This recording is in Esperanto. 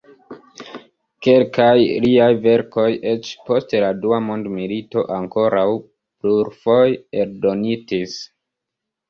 Kelkaj liaj verkoj eĉ post la Dua mondmilito ankoraŭ plurfoje eldonitis.